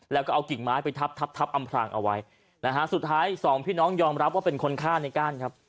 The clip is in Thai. แล้วก็เอากิ่งไม้ไปทับทับอำพรางเอาไว้นะฮะสุดท้ายสองพี่น้องยอมรับว่าเป็นคนฆ่าในก้านครับ